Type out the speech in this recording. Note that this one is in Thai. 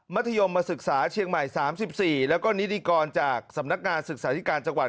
ธยมศึกษาเชียงใหม่๓๔แล้วก็นิติกรจากสำนักงานศึกษาธิการจังหวัด